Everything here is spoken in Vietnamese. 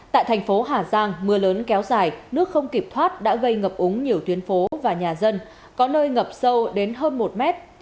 tại thành phố hà giang mưa lớn kéo dài nước không kịp thoát đã gây ngập úng nhiều tuyến phố và nhà dân có nơi ngập sâu đến hơn một mét